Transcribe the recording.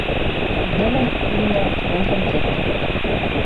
Кӹньӹлӹн тилна — фронтын тӹкӹ.